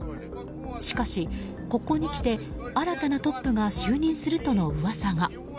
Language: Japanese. しかし、ここにきて新たなトップが就任するとの噂が。